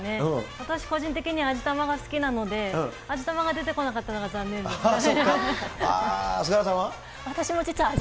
私、個人的には味玉が好きなので、味玉が出てこなかったのが残念ですね。